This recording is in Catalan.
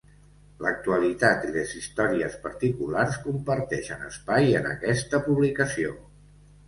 L'actualitat i les històries particulars comparteixen espai en aquesta publicació.